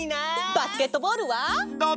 バスケットボールは！？